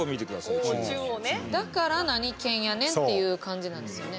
だから何県やねんっていう感じなんですよね。